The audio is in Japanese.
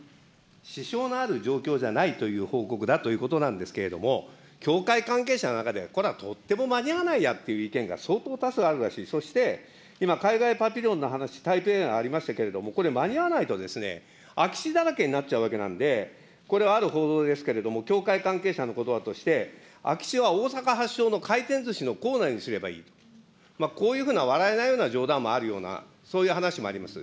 支障のある状況じゃないという報告だということなんですけれども、協会関係者の中では、これはとっても間に合わないやっていう意見が相当多数あるらしい、そして今、海外パビリオンの話、タイプＡ案ありましたけれども、これ、間に合わないと、空き地だらけになっちゃうわけなんで、これはある報道ですけれども、協会関係者のことばとして、空き地は、大阪発祥の回転ずしのコーナーにすればいい、こういうふうな笑えないような冗談もあるような、そういう話もあります。